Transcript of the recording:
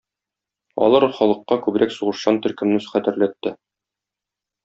Алар халыкка күбрәк сугышчан төркемне хәтерләтте.